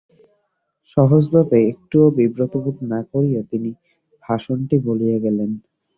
সহজভাবে একটুও বিব্রত বোধ না করিয়া তিনি ভাষণটি বলিয়া গেলেন।